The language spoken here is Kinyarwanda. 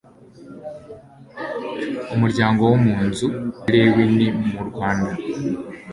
umuryango wo mu nzu ya lewi ni murwanda